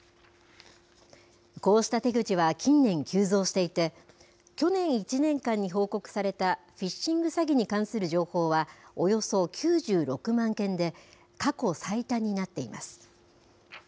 こうした手口は近年急増していて、去年１年間に報告されたフィッシング詐欺に関する情報は、およそ９６万件で、過去最多になっています。